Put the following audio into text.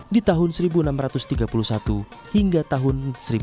di tahun seribu enam ratus tiga puluh satu hingga tahun seribu sembilan ratus sembilan puluh